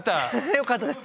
よかったです。